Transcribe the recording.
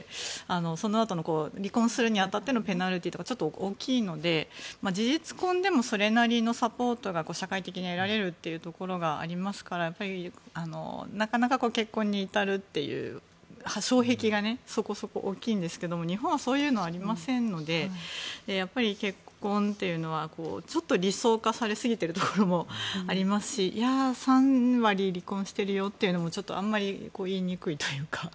そのあと離婚するに当たってのペナルティーが大きいので事実婚でもそれなりのサポートが社会的に得られるところがありますからなかなか結婚に至るという障壁がねそこそこ大きいんですけど日本はそういうのありませんので結婚というのは理想化されすぎているところもありますし３割離婚してるよっていうのもあんまり言いにくいというか。